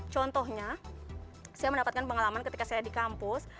contohnya saya mendapatkan pengalaman ketika saya di kampus